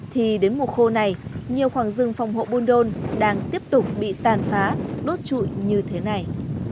thì đến mùa khô này nhiều khoảng rừng phòng hộ buôn đôn đang tiếp tục bị tàn phá đốt trụi như thế này